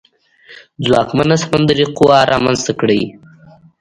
ځواکمنه سمندري قوه رامنځته کړي.